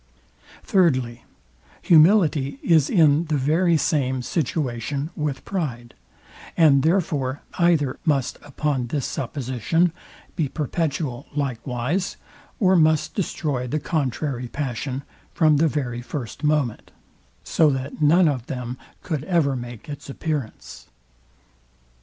Thirdly, Humility is in the very same situation with pride; and therefore, either must, upon this supposition, be perpetual likewise, or must destroy the contrary passion from, the very first moment; so that none of them could ever make its appearance.